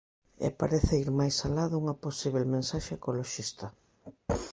E parece ir máis alá dunha posíbel mensaxe ecoloxista.